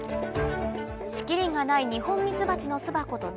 仕切りがないニホンミツバチの巣箱と違い